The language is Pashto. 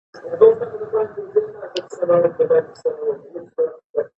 سندرې د ټولنیزو اړیکو ملاتړ کوي.